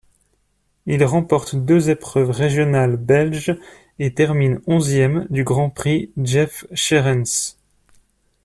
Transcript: Il remporte deux épreuves régionales belges et termine onzième du Grand Prix Jef Scherens.